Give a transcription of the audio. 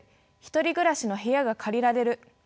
１人暮らしの部屋が借りられる。